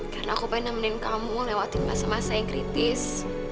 karena aku pengen nemenin kamu lewatin masa masa yang kritis